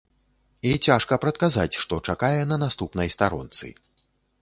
І цяжка прадказаць, што чакае на наступнай старонцы.